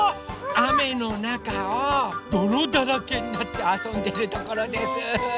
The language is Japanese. あめのなかをどろだらけになってあそんでるところです。